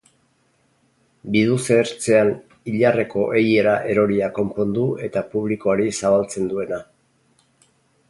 Biduze ertzean Ilarreko eihera eroria konpondu eta publikoari zabaltzen duena.